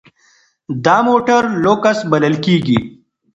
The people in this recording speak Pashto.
دا موټر لوکس بلل کیږي.